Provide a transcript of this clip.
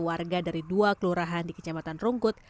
tiga puluh satu warga dari dua kelurahan di kecamatan rungkut